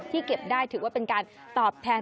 เก็บได้ถือว่าเป็นการตอบแทน